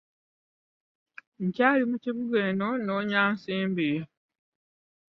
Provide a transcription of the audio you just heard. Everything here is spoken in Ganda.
Nkyali mu kibuga eno nnoonya nsimbi.